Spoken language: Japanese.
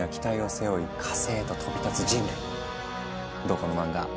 この漫画。